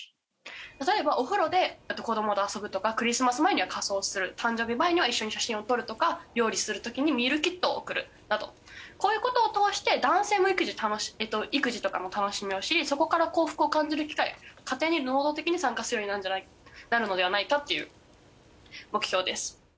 例えばお風呂で子どもと遊ぶとかクリスマス前には仮装する誕生日前には一緒に写真を撮るとか料理するときミールキットを送るなどこういうことを通して男性も育児とかも楽しめるしそこから幸福を感じる機会家庭に能動的に参加するようになるのではないかっていう目標です。